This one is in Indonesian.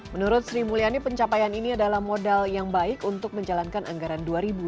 menurut sri mulyani pencapaian ini adalah modal yang baik untuk menjalankan anggaran dua ribu dua puluh